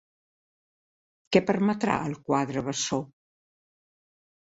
Què permetrà el quadre bessó?